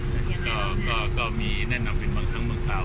ท่านนายกอย่างนั้นก็ก็ก็มีแนะนำเป็นบางครั้งบางคราว